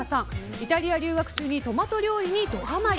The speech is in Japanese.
イタリア留学中にトマト料理にドハマリ。